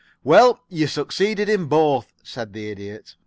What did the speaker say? "Well, you succeed in both," said the Idiot.